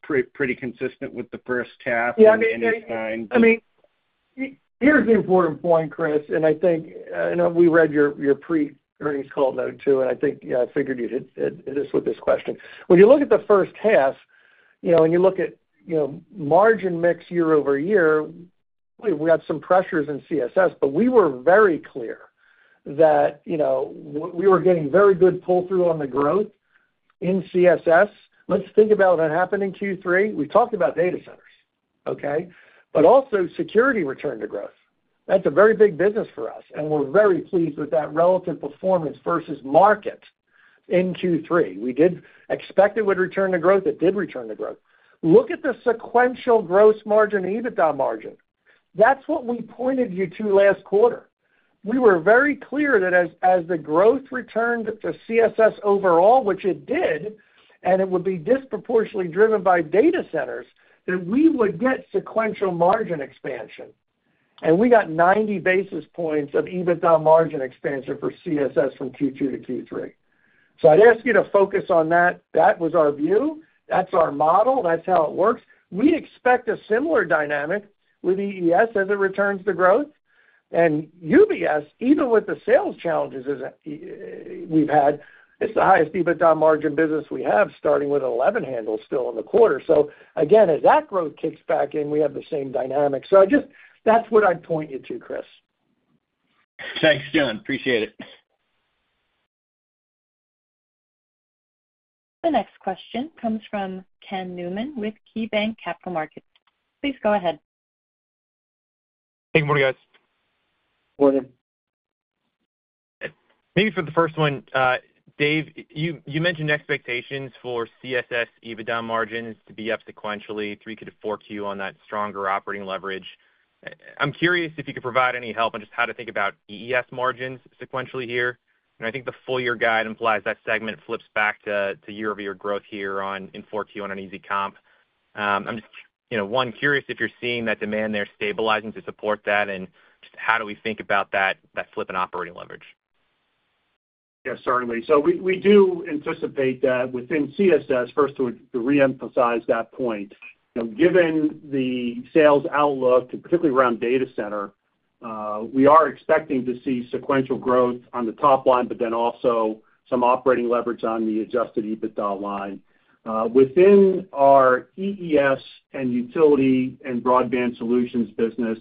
pretty consistent with the first half? Yeah, I mean, here's the important point, Chris, and I think we read your pre-earnings call note too, and I think I figured you'd hit us with this question. When you look at the first half, and you look at margin mix year-over-year, we had some pressures in CSS, but we were very clear that we were getting very good pull-through on the growth in CSS. Let's think about what happened in Q3. We talked about data centers, okay? But also security returned to growth. That's a very big business for us, and we're very pleased with that relative performance versus market in Q3. We did expect it would return to growth. It did return to growth. Look at the sequential gross margin and EBITDA margin. That's what we pointed you to last quarter. We were very clear that as the growth returned to CSS overall, which it did, and it would be disproportionately driven by data centers, that we would get sequential margin expansion. And we got 90 basis points of EBITDA margin expansion for CSS from Q2 to Q3. So I'd ask you to focus on that. That was our view. That's our model. That's how it works. We expect a similar dynamic with EES as it returns to growth. And UBS, even with the sales challenges we've had, it's the highest EBITDA margin business we have, starting with an 11 handle still in the quarter. So again, as that growth kicks back in, we have the same dynamic. So that's what I'd point you to, Chris. Thanks, John. Appreciate it. The next question comes from Ken Newman with KeyBanc Capital Markets. Please go ahead. Hey, good morning, guys. Morning. Maybe for the first one, Dave, you mentioned expectations for CSS EBITDA margins to be up sequentially 3Q to 4Q on that stronger operating leverage. I'm curious if you could provide any help on just how to think about EES margins sequentially here. And I think the full-year guide implies that segment flips back to year-over-year growth here in 4Q on an easy comp. I'm just, one, curious if you're seeing that demand there stabilizing to support that, and just how do we think about that flip in operating leverage? Yeah, certainly. So we do anticipate that within CSS, first to reemphasize that point, given the sales outlook, particularly around data center, we are expecting to see sequential growth on the top line, but then also some operating leverage on the Adjusted EBITDA line. Within our EES and Utility and Broadband Solutions business,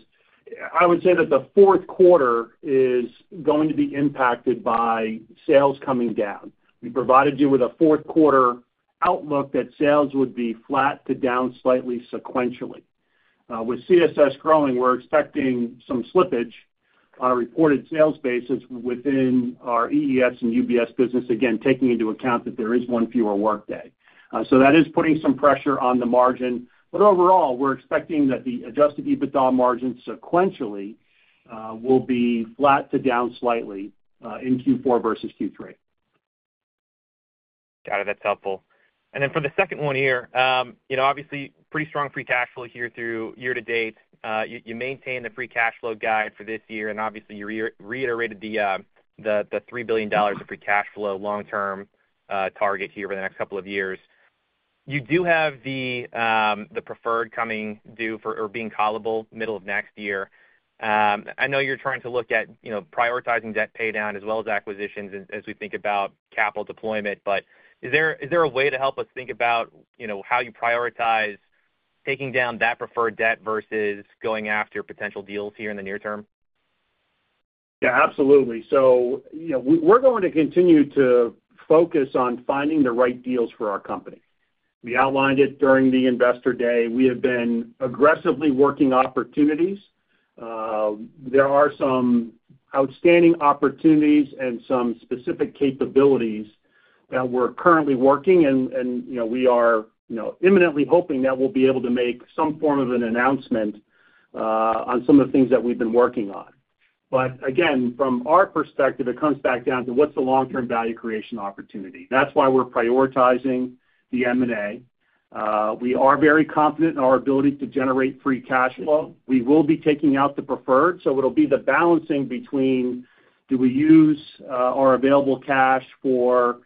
I would say that the fourth quarter is going to be impacted by sales coming down. We provided you with a fourth quarter outlook that sales would be flat to down slightly sequentially. With CSS growing, we're expecting some slippage on our reported sales basis within our EES and UBS business, again, taking into account that there is one fewer workday, so that is putting some pressure on the margin, but overall, we're expecting that the Adjusted EBITDA margin sequentially will be flat to down slightly in Q4 versus Q3. Got it. That's helpful and then for the second one here, obviously, pretty strong free cash flow here through year to date. You maintain the free cash flow guide for this year, and obviously, you reiterated the $3 billion of free cash flow long-term target here over the next couple of years. You do have the preferred coming due or being callable middle of next year. I know you're trying to look at prioritizing debt paydown as well as acquisitions as we think about capital deployment, but is there a way to help us think about how you prioritize taking down that preferred debt versus going after potential deals here in the near term? Yeah, absolutely. So we're going to continue to focus on finding the right deals for our company. We outlined it during the Investor Day. We have been aggressively working opportunities. There are some outstanding opportunities and some specific capabilities that we're currently working, and we are imminently hoping that we'll be able to make some form of an announcement on some of the things that we've been working on. But again, from our perspective, it comes back down to what's the long-term value creation opportunity. That's why we're prioritizing the M&A. We are very confident in our ability to generate free cash flow. We will be taking out the preferred, so it'll be the balancing between do we use our available cash for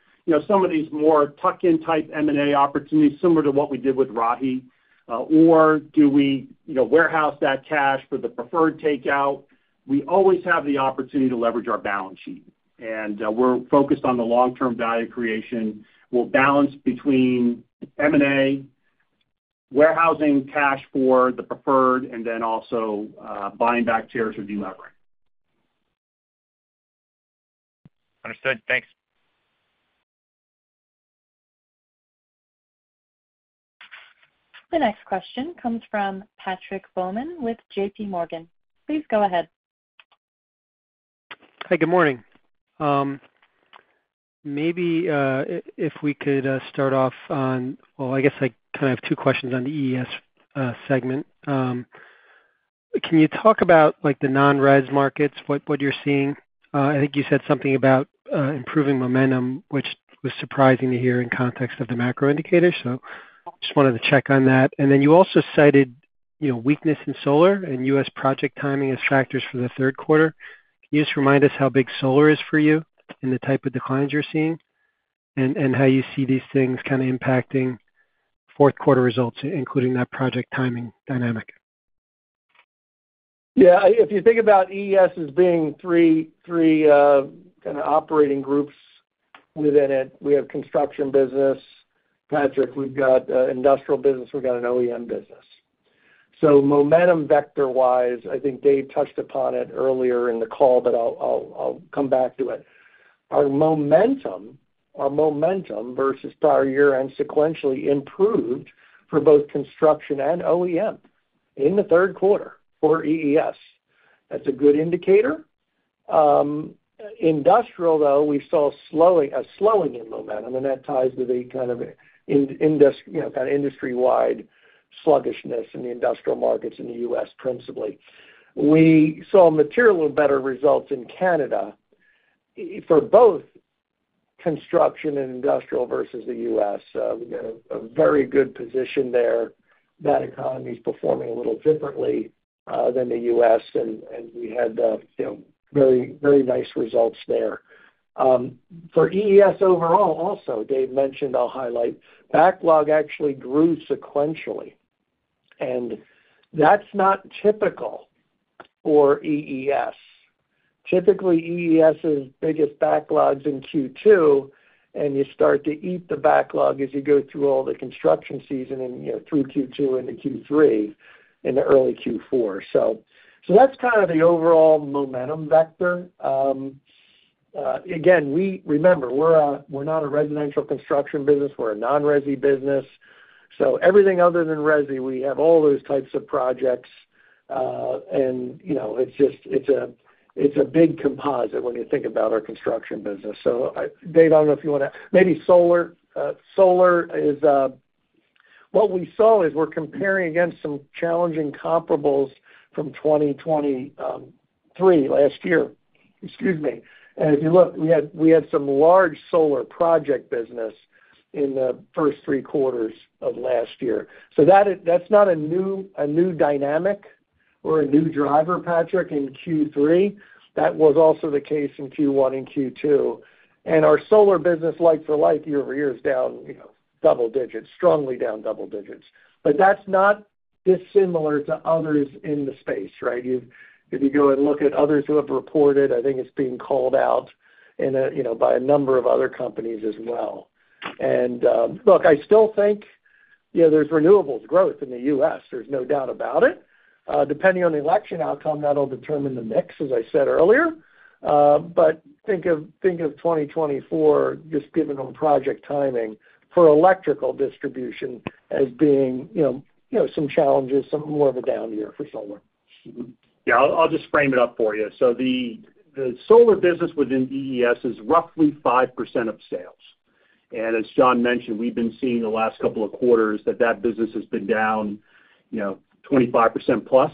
some of these more tuck-in type M&A opportunities similar to what we did with Rahi, or do we warehouse that cash for the preferred takeout? We always have the opportunity to leverage our balance sheet, and we're focused on the long-term value creation. We'll balance between M&A, warehousing cash for the preferred, and then also buying back shares or deleveraging. Understood. Thanks. The next question comes from Patrick Baumann with JPMorgan. Please go ahead. Hi, good morning. Maybe if we could start off on, well, I guess I kind of have two questions on the EES segment. Can you talk about the non-residential markets, what you're seeing? I think you said something about improving momentum, which was surprising to hear in context of the macro indicator, so just wanted to check on that. And then you also cited weakness in solar and U.S. project timing as factors for the third quarter. Can you just remind us how big solar is for you and the type of declines you're seeing and how you see these things kind of impacting fourth quarter results, including that project timing dynamic? Yeah. If you think about EES as being three kind of operating groups within it, we have construction business. Patrick, we've got industrial business. We've got an OEM business. So momentum vector-wise, I think Dave touched upon it earlier in the call, but I'll come back to it. Our momentum versus prior year and sequentially improved for both construction and OEM in the third quarter for EES. That's a good indicator. Industrial, though, we saw a slowing in momentum, and that ties to the kind of industry-wide sluggishness in the industrial markets in the U.S. principally. We saw materially better results in Canada for both construction and industrial versus the U.S. We've got a very good position there. That economy is performing a little differently than the U.S., and we had very nice results there. For EES overall, also, Dave mentioned, I'll highlight, backlog actually grew sequentially, and that's not typical for EES. Typically, EES's biggest backlog's in Q2, and you start to eat the backlog as you go through all the construction season through Q2 into Q3 in the early Q4. So that's kind of the overall momentum vector. Again, remember, we're not a residential construction business. We're a non-resi business. So everything other than resi, we have all those types of projects, and it's a big composite when you think about our construction business. So Dave, I don't know if you want to maybe solar is what we saw is we're comparing against some challenging comparables from 2023, last year. Excuse me. And if you look, we had some large solar project business in the first three quarters of last year. So that's not a new dynamic or a new driver, Patrick, in Q3. That was also the case in Q1 and Q2. And our solar business, like full year, year-over-year is down double digits, strongly down double digits. But that's not dissimilar to others in the space, right? If you go and look at others who have reported, I think it's being called out by a number of other companies as well. Look, I still think there's renewables growth in the U.S. There's no doubt about it. Depending on the election outcome, that'll determine the mix, as I said earlier. Think of 2024, just given on project timing for electrical distribution as being some challenges, some more of a down year for solar. Yeah, I'll just frame it up for you. The solar business within EES is roughly 5% of sales. As John mentioned, we've been seeing the last couple of quarters that that business has been down 25% plus,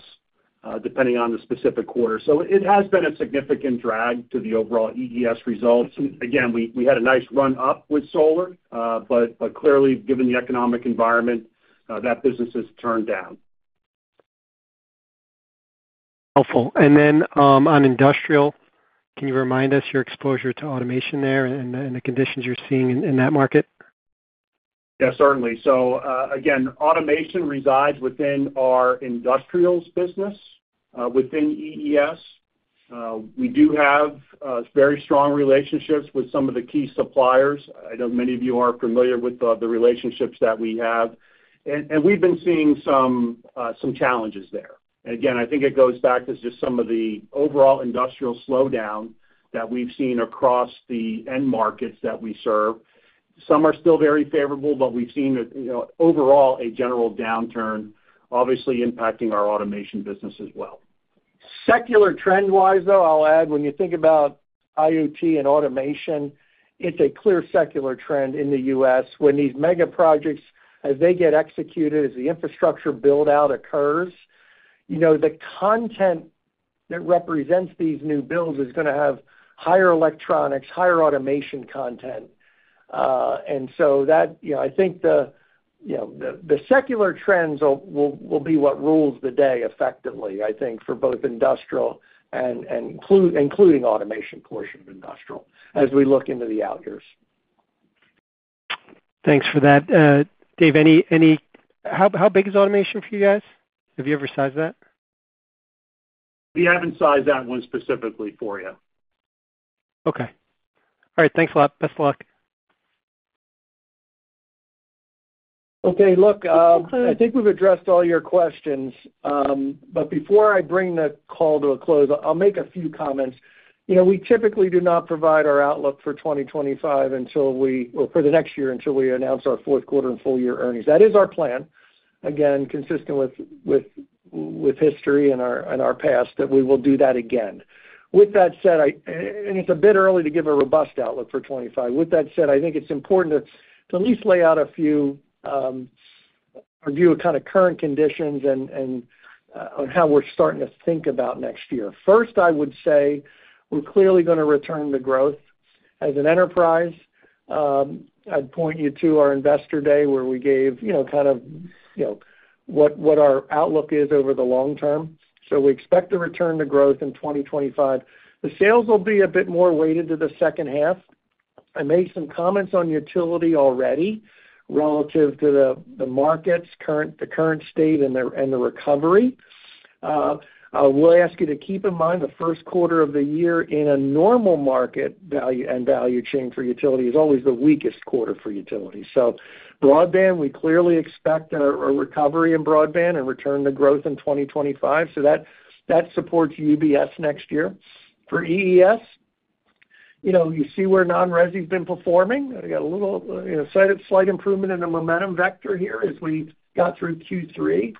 depending on the specific quarter. It has been a significant drag to the overall EES results. Again, we had a nice run-up with solar, but clearly, given the economic environment, that business has turned down. Helpful. On industrial, can you remind us your exposure to automation there and the conditions you're seeing in that market? Yeah, certainly. So again, automation resides within our industrials business within EES. We do have very strong relationships with some of the key suppliers. I know many of you are familiar with the relationships that we have. And we've been seeing some challenges there. And again, I think it goes back to just some of the overall industrial slowdown that we've seen across the end markets that we serve. Some are still very favorable, but we've seen overall a general downturn, obviously impacting our automation business as well. Secular trend-wise, though, I'll add, when you think about IoT and automation, it's a clear secular trend in the U.S. when these megaprojects, as they get executed, as the infrastructure build-out occurs, the content that represents these new builds is going to have higher electronics, higher automation content. And so I think the secular trends will be what rules the day effectively, I think, for both industrial and including automation portion of industrial as we look into the out years. Thanks for that. Dave, how big is automation for you guys? Have you ever sized that? We haven't sized that one specifically for you. Okay. All right. Thanks a lot. Best of luck. Okay. Look, I think we've addressed all your questions. But before I bring the call to a close, I'll make a few comments. We typically do not provide our outlook for 2025 until we or for the next year until we announce our fourth quarter and full-year earnings. That is our plan. Again, consistent with history and our past, that we will do that again. With that said, and it's a bit early to give a robust outlook for 2025. With that said, I think it's important to at least lay out an overview of current conditions and how we're starting to think about next year. First, I would say we're clearly going to return to growth as an enterprise. I'd point you to our Investor Day where we gave kind of what our outlook is over the long term. So we expect to return to growth in 2025. The sales will be a bit more weighted to the second half. I made some comments on utility already relative to the markets, the current state, and the recovery. I will ask you to keep in mind the first quarter of the year in a normal market value and value chain for utility is always the weakest quarter for utility. So broadband, we clearly expect a recovery in broadband and return to growth in 2025. So that supports UBS next year. For EES, you see where non-resi has been performing. We got a little slight improvement in the momentum vector here as we got through Q3.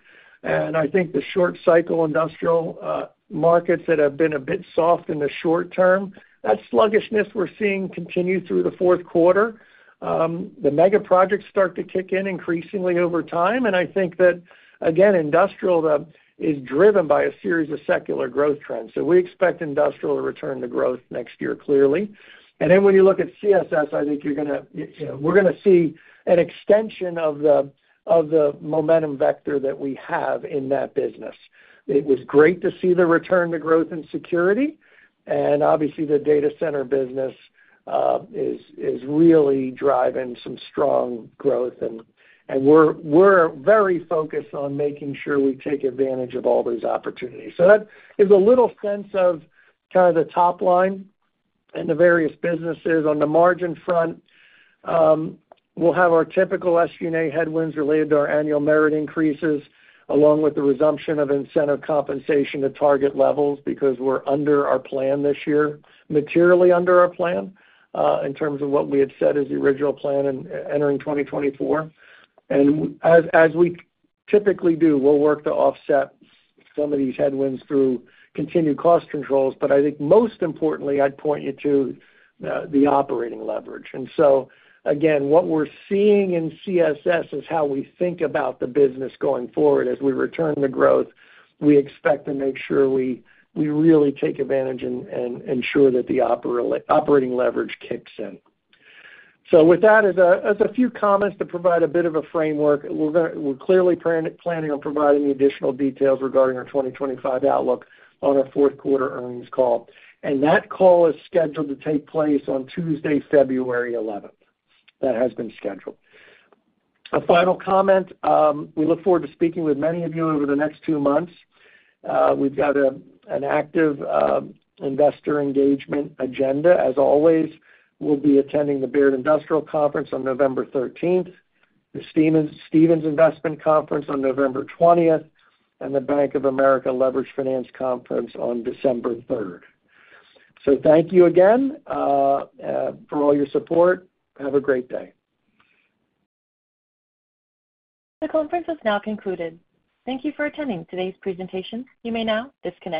And I think the short-cycle industrial markets that have been a bit soft in the short term, that sluggishness we're seeing continues through the fourth quarter. The megaprojects start to kick in increasingly over time. And I think that, again, industrial is driven by a series of secular growth trends. So we expect industrial to return to growth next year clearly. And then when you look at CSS, I think we're going to see an extension of the momentum vector that we have in that business. It was great to see the return to growth and security. And obviously, the data center business is really driving some strong growth. And we're very focused on making sure we take advantage of all those opportunities. So that is a little sense of kind of the top line and the various businesses. On the margin front, we'll have our typical SG&A headwinds related to our annual merit increases along with the resumption of incentive compensation to target levels because we're under our plan this year, materially under our plan in terms of what we had set as the original plan entering 2024. And as we typically do, we'll work to offset some of these headwinds through continued cost controls. But I think most importantly, I'd point you to the operating leverage. And so again, what we're seeing in CSS is how we think about the business going forward. As we return to growth, we expect to make sure we really take advantage and ensure that the operating leverage kicks in. So with that, as a few comments to provide a bit of a framework, we're clearly planning on providing additional details regarding our 2025 outlook on our fourth quarter earnings call, and that call is scheduled to take place on Tuesday, February 11th. That has been scheduled. A final comment, we look forward to speaking with many of you over the next two months. We've got an active investor engagement agenda. As always, we'll be attending the Baird Industrial Conference on November 13th, the Stephens Investment Conference on November 20th, and the Bank of America Leveraged Finance Conference on December 3rd, so thank you again for all your support. Have a great day. The conference is now concluded. Thank you for attending today's presentation. You may now disconnect.